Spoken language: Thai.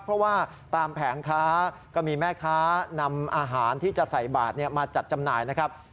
เพราะว่าตามแผงค้าก็มีแม่ค้านำอาหารที่จะใส่บาทมาจัดจำหน่ายนะครับ